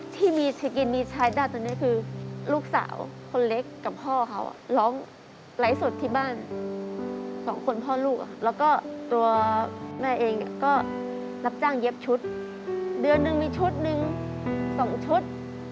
ที่มีสกินมีใช้ได้ตอนนี้คือลูกสาวคนเล็กกับพ่อเขาร้องไลฟ์สดที่บ้านสองคนพ่อลูกแล้วก็ตัวแม่เองก็รับจ้างเย็บชุดเดือนหนึ่งมีชุดหนึ่ง๒ชุด